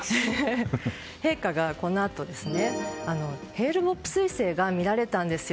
陛下がこのあとヘール・ボップ彗星が見られたんですよ